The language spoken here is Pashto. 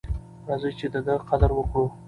راځئ چې د ده قدر وکړو.